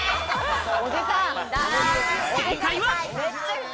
正解は。